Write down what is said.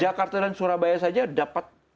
jakarta dan surabaya saja dapat lima sembilan rapornya